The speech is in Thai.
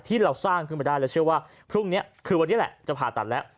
ที่เราสร้างขึ้นมาได้แล้วเชื่อว่าพรุ่งนี้คือวันนี้แหละจะผ่าตัดแล้ว